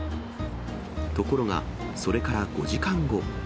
ところが、それから５時間後。